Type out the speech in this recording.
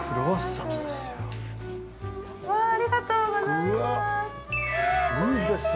◆ありがとうございます。